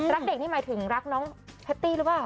รักเด็กนี่หมายถึงรักน้องแพตตี้หรือเปล่า